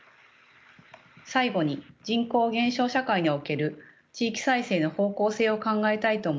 最後に人口減少社会における地域再生の方向性を考えたいと思います。